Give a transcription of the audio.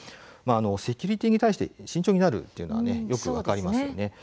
セキュリティーに対して慎重になるというのは分かります。